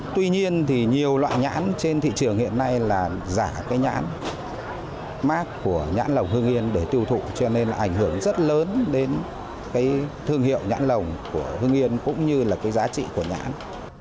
tuy nhiên thì nhiều loại nhãn trên thị trường hiện nay là giả cái nhãn mát của nhãn lồng hương yên để tiêu thụ cho nên là ảnh hưởng rất lớn đến cái thương hiệu nhãn lồng của hương yên cũng như là cái giá trị của nhãn